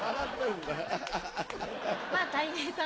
まぁたい平さん。